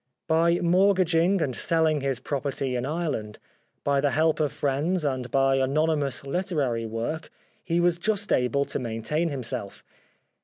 By mortgaging and selling his property in Ireland, by the help of friends and by anonymous literary work, he was just able to maintain himself.